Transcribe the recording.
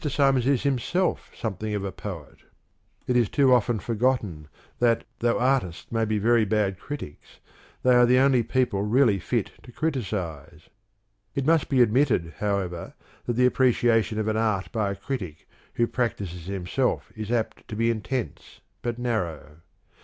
Symons is himself something of a poet; it is too often 232 CRITICAL STUDIES forgotten that though artists may be very bad critics, they are the only people really fit to criticize. It must be admitted, however, that the appreciation of an art by a critic who practises himself is apt to be intense, but narrow.